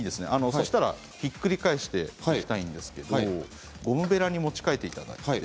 そうしたらひっくり返していきたいんですけれどゴムべらに持ち替えていただいて。